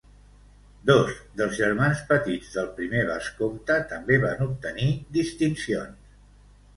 Dos dels germans petits del primer vescomte també van obtenir distincions.